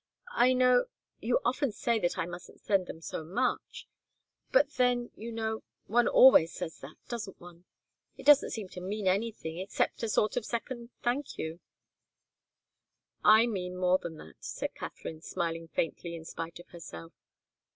"I know you often say that I mustn't send them so much but then, you know, one always says that, doesn't one? It doesn't seem to mean anything except a sort of second 'thank you' " "I mean more than that," said Katharine, smiling faintly, in spite of herself.